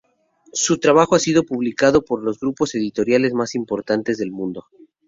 Su trabajo ha sido publicado por los grupos editoriales más importantes del mundo.